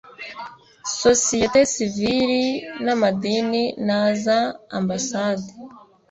sosiyete sivili n amadini naza ambasade